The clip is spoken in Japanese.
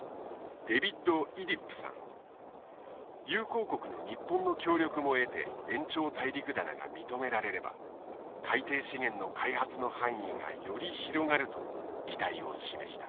友好国の日本の協力も得て延長大陸棚が認められれば海底資源の開発の範囲がより広がると期待を示した。